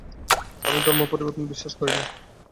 আমি ধর্ম পরিবর্তনে বিশ্বাস করি না।